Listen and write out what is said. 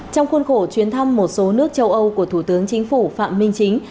trong khuôn khổ chuyến thăm một số nước châu âu của thủ tướng chính phủ phạm minh chính